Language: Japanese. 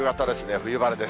冬晴れです。